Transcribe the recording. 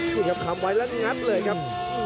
นี่ครับคำไว้แล้วงัดเลยครับ